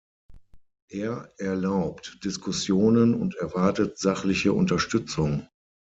Er erlaubt Diskussionen und erwartet sachliche Unterstützung.